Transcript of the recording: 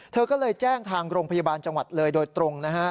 เธอก็เลยแจ้งทางโรงพยาบาลจังหวัดเลยโดยตรงนะฮะ